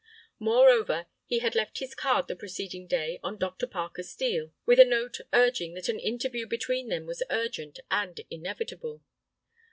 Moreover, he had left his card the preceding day on Dr. Parker Steel, with a note urging that an interview between them was urgent and inevitable.